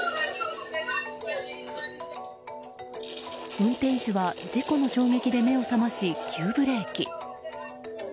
運転手は事故の衝撃で目を覚まし急ブレーキ。